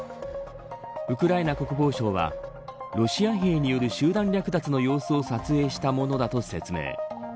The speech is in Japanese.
ウクライナ国防省はロシア兵による集団略奪の様子を撮影したものだと説明。